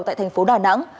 tại thành phố đà nẵng